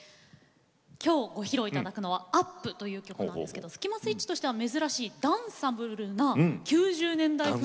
今日ご披露頂くのは「ｕｐ！！！！！！」という曲なんですけどスキマスイッチとしては珍しいダンサブルな９０年代風の。